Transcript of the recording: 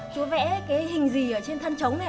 chú vẽ cái hình gì ở trên thân trống này